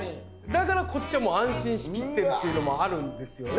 だからこっちはもう安心しきってっていうのもあるんですよね。